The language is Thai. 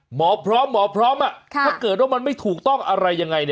หมอพร้อมหมอพร้อมถ้าเกิดว่ามันไม่ถูกต้องอะไรยังไง